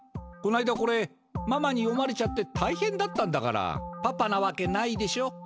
こないだこれママに読まれちゃってたいへんだったんだからパパなわけないでしょ。